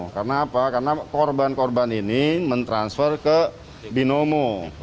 karena apa karena korban korban ini mentransfer ke binomo